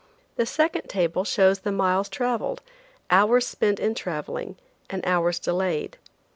The second table shows the miles traveled, hours spent in traveling and hours delayed.